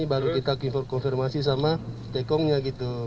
baru kita konfirmasi sama tekongnya gitu